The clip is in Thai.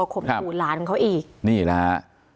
ข่มขู่หลานเขาอีกนี่แหละฮะ